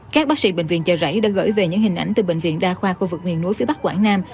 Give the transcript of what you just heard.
các bác sĩ bệnh viện chợ rẫy đã gửi về những hình ảnh từ bệnh viện đa khoa khu vực miền núi phía bắc quảng nam